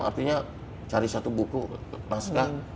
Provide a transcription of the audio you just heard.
artinya cari satu buku naskah